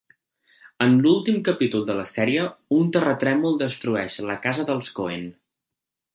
En l'últim capítol de la sèrie, un terratrèmol destrueix la casa dels Cohen.